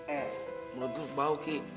eh menurut gue bau ki